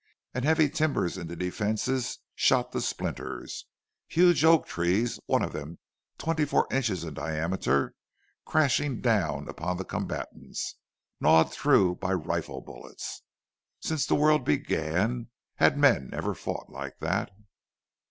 And heavy timbers in the defences shot to splinters! Huge oak trees—one of them twenty four inches in diameter—crashing down upon the combatants, gnawed through by rifle bullets! Since the world began had men ever fought like that?